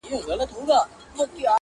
له دې زړو نه ښې ډبري د صحرا وي-